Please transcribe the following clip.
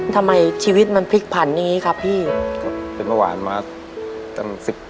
ทำไมชีวิตมันพลิกผันอย่างนี้ครับพี่ก็เป็นเบาหวานมาตั้งสิบปี